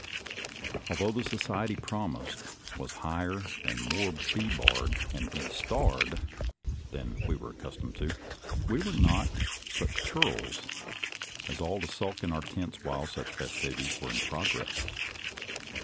Although the so ciety promised was higher and more be barred and be starred than we were accustomed to, we were not such churls as to sulk in our tents while such festivities were in progress.